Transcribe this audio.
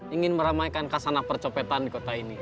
ingin meramaikan kasanah percopetan di kota ini